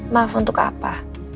maaf untuk apa